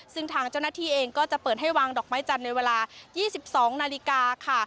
ซึ่งทางเจ้าหน้าที่เองก็จะเปิดให้วางดอกไม้จันทร์ในเวลา๒๒นาฬิกาค่ะ